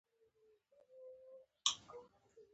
وس دي سره کشوم